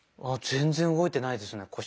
あっ全然動いてないですね